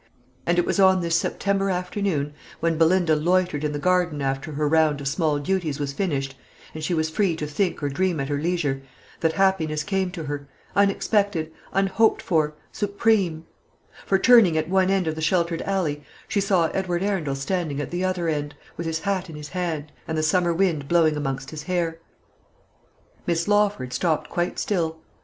And it was on this September afternoon, when Belinda loitered in the garden after her round of small duties was finished, and she was free to think or dream at her leisure, that happiness came to her, unexpected, unhoped for, supreme; for, turning at one end of the sheltered alley, she saw Edward Arundel standing at the other end, with his hat in his hand, and the summer wind blowing amongst his hair. Miss Lawford stopped quite still.